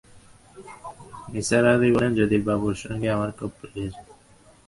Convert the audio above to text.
নিসার আলি বললেন, জ্যোতিবাবুর সঙ্গে আমার খুব প্রয়োজন।